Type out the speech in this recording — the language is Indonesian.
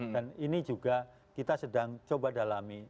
dan ini juga kita sedang coba dalami